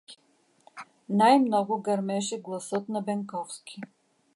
Най-много гърмеше гласът на Бенковски.